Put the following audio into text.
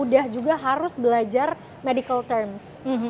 mudah juga harus belajar medical terms